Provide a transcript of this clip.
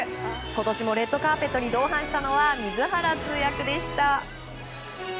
今年もレッドカーペットに同伴したのは水原通訳でした。